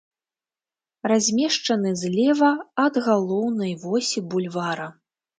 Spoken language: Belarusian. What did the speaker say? Размешчаны злева ад галоўнай восі бульвара.